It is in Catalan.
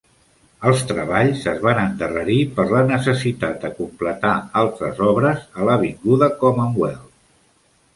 Els treballs es van endarrerir per la necessitat de completar altres obres a l'avinguda Commonwealth.